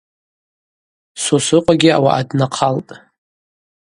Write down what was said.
Сосрыкъвагьи ауаъа днахъалтӏ.